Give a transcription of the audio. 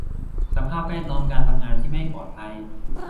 สภาพแวดล้อมการทำงานที่ไม่ปลอดภัย